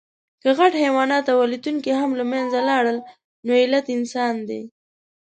که غټ حیوانات او الوتونکي هم له منځه لاړل، نو علت انسان دی.